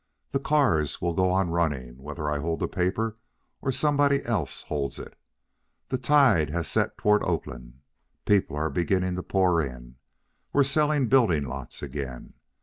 The cars will go on running, whether I hold the paper or somebody else holds it. The tide has set toward Oakland. People are beginning to pour in. We're selling building lots again.